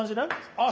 ああ